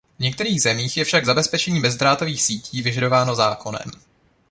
V některých zemích je však zabezpečení bezdrátových sítí vyžadováno zákonem.